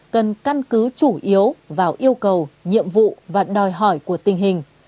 cần căn cứ chủ yếu vào yêu cầu nhiệm vụ và đòi hỏi của tình hình